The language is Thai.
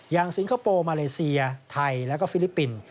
อย่างสิงคโปร์มาเลเซียไทยและฟิลิปปินส์